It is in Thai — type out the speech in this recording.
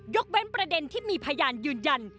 เว้นประเด็นที่มีพยานยืนยัน